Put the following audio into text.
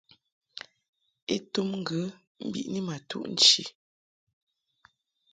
I tum ŋgə mbiʼni ma tuʼ nchi.